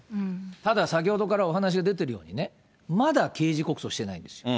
ただ、先ほどからお話が出ているように、まだ刑事告訴してないんですよ。